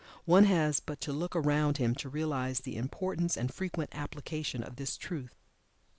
One has but to look around him to realize the importance and frequent application of this truth.